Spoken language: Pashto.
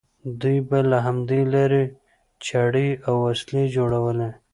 دوی به له همدې لارې چړې او وسلې جوړولې.